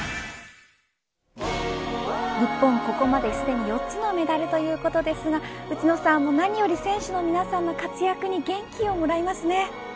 日本ここまですでに４つのメダルということですが何より選手の皆さんの活躍に元気をもらいますね。